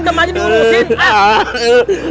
dem aja diurusin